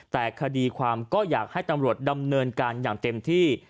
แต่คดีความก็อยากให้ตำรวจดำเนินการอย่างเต็มที่